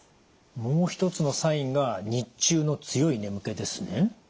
もう一つのサインが日中の強い眠気ですね？